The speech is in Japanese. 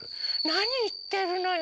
なにいってるのよ